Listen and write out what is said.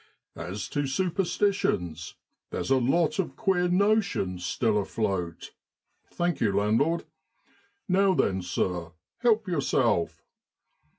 1 As to superstitions, there's a lot of queer notions still afloat (thank you, landlord) Now then, sir, help yourself.